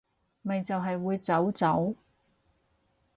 咪就係會早走